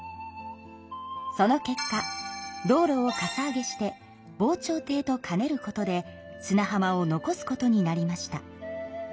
その結果道路をかさ上げして防潮堤と兼ねることで砂浜を残すことになりました。